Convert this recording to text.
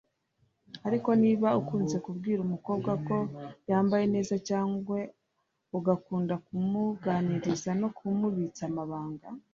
Ariko niba ukunze kubwira umukobwa ko yambaye neza cyangwa ugakunda kumuganiriza no kumubitsa amabanga